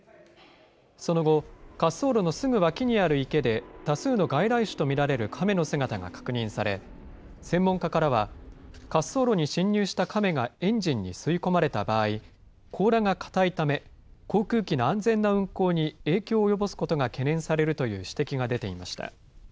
その後、滑走路のすぐ脇にある池で、多数の外来種と見られる亀の姿が確認され、専門家からは、滑走路に侵入した亀がエンジンに吸い込まれた場合、甲羅が硬いため、航空機の安全な運航に影響を及ぼすことが懸念されるという指摘が出ていました。